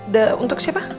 paket untuk siapa